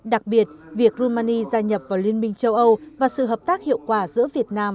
đặc biệt việc romani gia nhập vào liên minh châu âu và sự hợp tác hiệu quả giữa việt nam